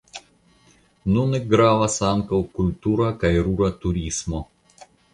Nune gravas ankaŭ kultura kaj rura turismo.